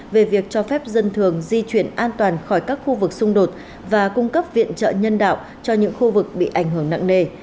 về việc cho phép dân thường di chuyển an toàn khỏi các khu vực xung đột và cung cấp viện trợ nhân đạo cho những khu vực bị ảnh hưởng nặng nề